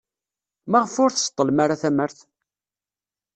Maɣef ur tseḍḍlem ara tamart?